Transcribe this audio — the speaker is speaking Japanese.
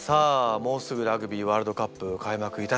もうすぐラグビーワールドカップ開幕いたしますね。